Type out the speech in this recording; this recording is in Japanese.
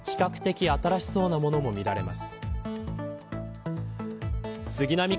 中には、比較的新しそうなものもみられます。